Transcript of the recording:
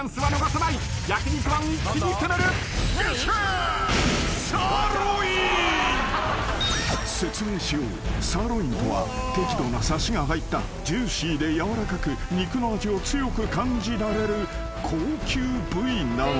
サーロインとは適度なサシが入ったジューシーで軟らかく肉の味を強く感じられる高級部位なのだ］